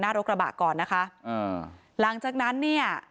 หน้าโรคระบะก่อนนะคะลางจากนั้นเนี่ย